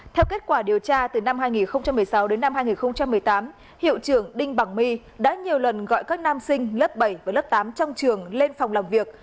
theo kết quả điều tra từ năm hai nghìn một mươi sáu đến năm hai nghìn một mươi tám hiệu trưởng đinh bằng my đã nhiều lần gọi các nam sinh lớp bảy và lớp tám trong trường lên phòng làm việc